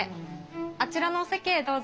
あちらのお席へどうぞ。